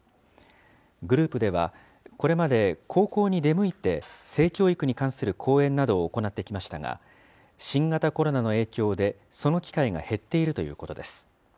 グループでは、これまで高校に出向いて性教育に関する講演などを行ってきましたが、新型コロナの影響でその機会が減っているということです。